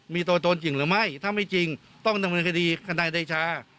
มีตัวตนจริงหรือไม่ถ้าไม่จริงต้องดำเนินคดีทนายเดชา